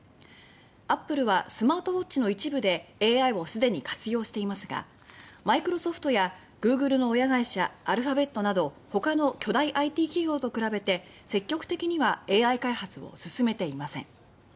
アップルはスマートウォッチの一部でＡＩを既に活用していますがマイクロソフトやグーグルの親会社アルファベットなど他の巨大ＩＴ企業と比べて積極的にはＡＩ開発を進めていません。